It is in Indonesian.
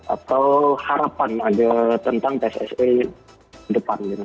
atau harapan ada tentang pssi depan